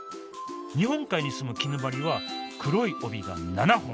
日本海に住むキヌバリは黒い帯が７本。